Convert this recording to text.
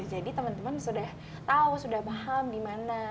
jadi teman teman sudah tahu sudah paham di mana